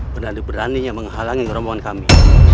penandu beraninya menghalangi kerombongan kami